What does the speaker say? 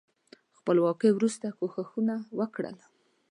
خپلواکۍ وروسته کوښښونه وکړل.